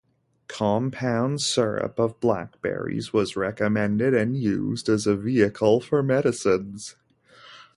Compound syrup of blackberries was recommended and used as a vehicle for medicines.